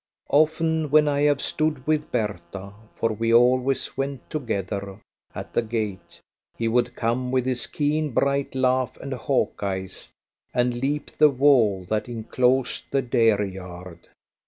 Often when I have stood with Bertha for we always went together at the gate, he would come with his keen bright laugh and hawk's eyes, and leap the wall that inclosed the dairy yard.